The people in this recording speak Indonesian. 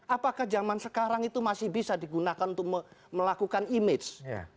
apakah zaman sekarang itu masih bisa digunakan untuk melakukan image